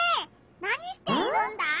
何しているんだ？